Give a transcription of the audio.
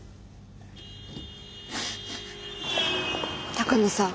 鷹野さん。